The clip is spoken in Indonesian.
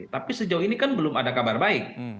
tapi sejauh ini kan belum ada kabar baik